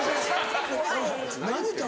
何言うた？